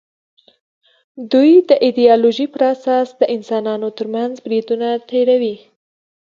دوی د ایدیالوژۍ پر اساس د انسانانو تر منځ بریدونه تېروي